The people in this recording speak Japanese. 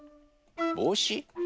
ぼうし？